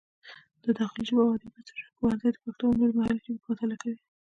د داخلي ژبو او ادبیاتو پوهنځی د پښتو او نورې محلي ژبې مطالعه کوي.